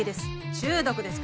中毒ですか？